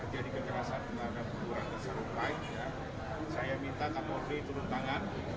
jadi kecerdasan dengan ratna sarumpayat saya minta kak polri turun tangan